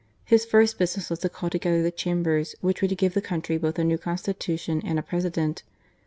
His first business was to call together the Chambers which were to give the country both a new Constitution and a President.